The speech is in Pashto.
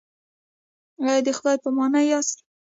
ایا د خدای په امان یاست؟